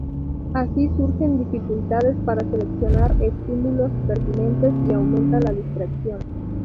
Así, surgen dificultades para seleccionar estímulos pertinentes, y aumenta la distracción.